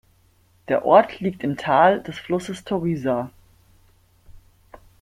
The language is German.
Der Ort liegt im Tal des Flusses Torysa.